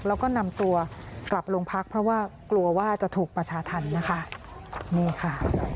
แล้วก็นำตัวกลับลงพักเพราะว่ากลัวว่าจะถูกประชาธรรมนะคะนี่ค่ะ